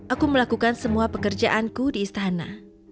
aku melakukan semua pekerjaanku di istana